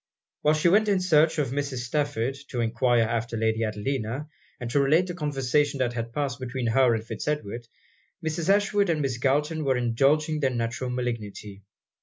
While she went in search of Mrs. Stafford, to enquire after Lady Adelina, and to relate the conversation that had passed between her and Fitz Edward, Mrs. Ashwood and Miss Galton were indulging their natural malignity.